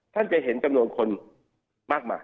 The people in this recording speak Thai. ท่านไปเห็นจำนวนคนมากมาย